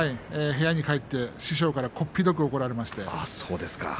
部屋に入って師匠からこっぴどく怒られました。